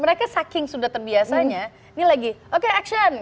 mereka saking sudah terbiasanya ini lagi oke action